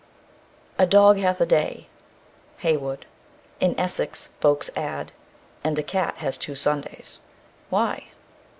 A dog hath a day. HEYWOOD. In Essex folks add: And a cat has two Sundays. Why?